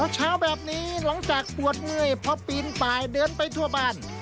เช้าแบบนี้หลังจากปวดเมื่อยพอปีนปลายเดินไปทั่วบ้าน